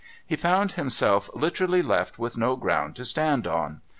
He found himself literally left with no ground to stand on.